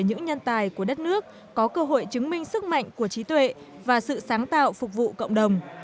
những nhân tài của đất nước có cơ hội chứng minh sức mạnh của trí tuệ và sự sáng tạo phục vụ cộng đồng